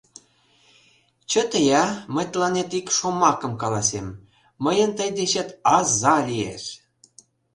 Чыте-я, мый тыланет ик шомакым каласем: мыйын тый дечет аза лиеш!..